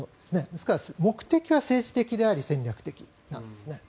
ですから、目的は政治的であり戦略的なんですね。